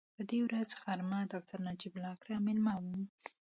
په دې ورځ غرمه ډاکټر نجیب الله کره مېلمه وم.